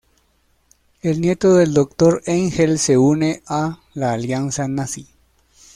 El nieto del Dr. Engel se une a la alianza Nazi.